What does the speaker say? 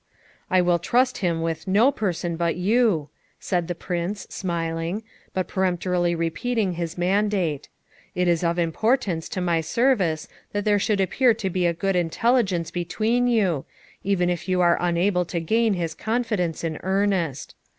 'I will trust him with no person but you,' said the Prince, smiling, but peremptorily repeating his mandate; 'it is of importance to my service that there should appear to be a good intelligence between you, even if you are unable to gain his confidence in earnest.